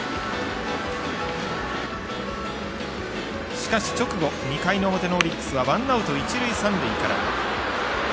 しかし、直後２回の表のオリックスはワンアウト、一塁、三塁から。